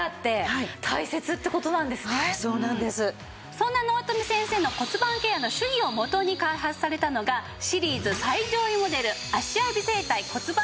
そんな納富先生の骨盤ケアの手技をもとに開発されたのがシリーズ最上位モデル芦屋美整体骨盤